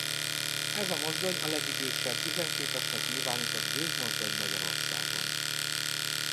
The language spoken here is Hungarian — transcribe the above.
Ez a mozdony a legidősebb üzemképesnek nyilvánított gőzmozdony Magyarországon.